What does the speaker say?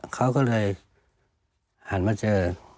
เขาก็เลยหันมาเจอ